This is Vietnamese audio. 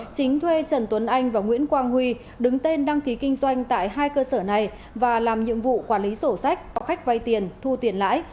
chính thuê trần tuấn anh và nguyễn quang huy đứng tên đăng ký kinh doanh tại hai cơ sở này và làm nhiệm vụ quản lý sổ sách có khách vay tiền thu tiền lãi